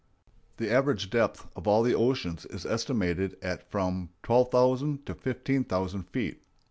The average depth of all the oceans is estimated at from twelve thousand to fifteen thousand feet.